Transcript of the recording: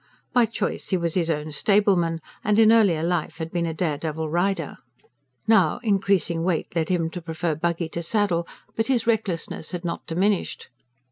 By choice he was his own stableman, and in earlier life had been a dare devil rider. Now, increasing weight led him to prefer buggy to saddle; but his recklessness had not diminished.